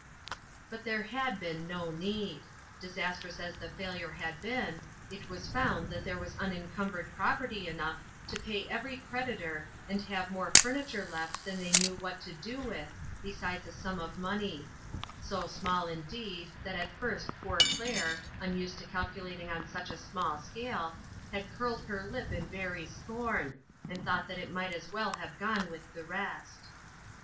But there had been no need. Disastrous as the failure had been, it was found that there was unincumbered property enough to pay every creditor and have more furniture left than they knew what to do with, be sides a sum of money ; so small, indeed, that at first poor Claire, unused to calcula ting on such a small scale, had curled her lip in very scorn, and thought that it might as well have gone with the rest.